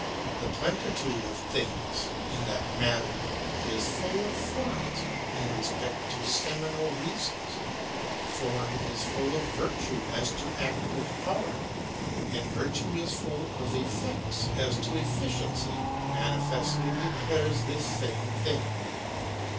The pleni tude of things ŌĆö in that matter is full of forms, in respect to seminal reasons, form is full of virtue as to active power, and virtue is full of effects as to ethciency ŌĆö manifestly declares this same thing.